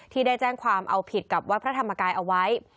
ที่ได้แจ้งความเอาผิดกับวัดพระธรรมกายเอาไว้